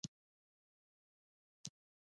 ایا مصنوعي ځیرکتیا د اخلاقي قضاوت وړتیا نه لري؟